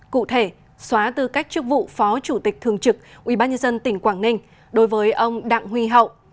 cụ thể xóa tư cách chức vụ phó chủ tịch thường trực ubnd tỉnh quảng ninh đối với ông đặng huy hậu